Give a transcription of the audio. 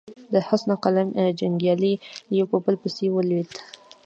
د حسن قلي جنګيالي يو په بل پسې لوېدل.